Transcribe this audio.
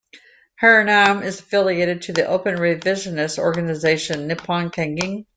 Hiranuma is affiliated to the openly revisionist organization Nippon Kaigi.